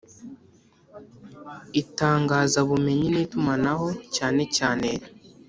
Itangazabumenyi n itumanaho cyane cyane